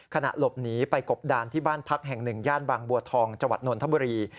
ขณะหลบหนีไปกบดานที่บ้านพักแห่งหนึ่งย่านบางบัวทองจังหวัดนนทบุรี